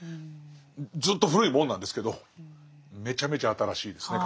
ずっと古いもんなんですけどめちゃめちゃ新しいですね考え方が。